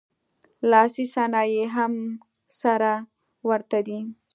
لاسي صنایع یې هم سره ورته دي